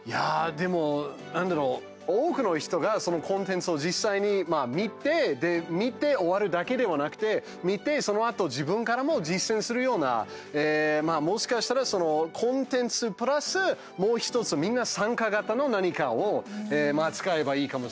何だろう多くの人がそのコンテンツを実際に見て見て終わるだけではなくて見て、そのあと自分からも実践するような、もしかしたらそのコンテンツプラスもう１つみんな参加型の何かを使えばいいかもしれないし。